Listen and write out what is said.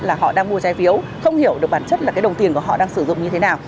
là họ đang mua trái phiếu không hiểu được bản chất là cái đồng tiền của họ đang sử dụng như thế nào